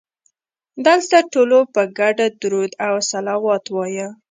دلته ټولو په ګډه درود او صلوات وایه.